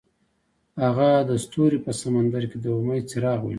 هغه د ستوري په سمندر کې د امید څراغ ولید.